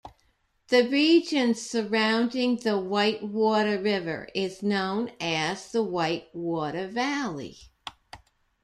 The region surrounding the Whitewater River is known as the Whitewater Valley.